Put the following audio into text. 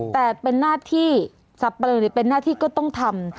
แต่เป็นหน้าที่สรรพบรรยาณนี้เป็นหน้าที่ก็ต้องทำ